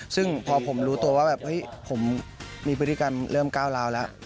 ซึ่งพอผมรู้ตัวว่าแบบเฮ้ยผมมีพฤติกรรมเริ่มก้าวร้าวแล้ว